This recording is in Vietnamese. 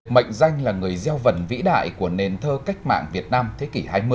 mệnh danh là người gieo vần vĩ đại của nền thơ cách mạng việt nam thế kỷ hai mươi